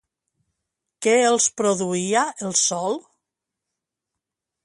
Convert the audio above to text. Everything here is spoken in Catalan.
Què els produïa el sol?